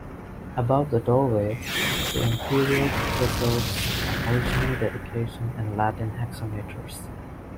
Above the doorway, the interior preserves an original dedication in Latin hexameters.